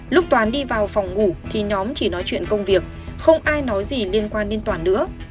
lúc toàn đi vào phòng ngủ thì nhóm chỉ nói chuyện công việc không ai nói gì liên quan đến toàn nữa